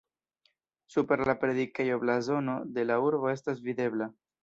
Super la predikejo blazono de la urbo estas videbla.